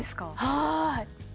はい。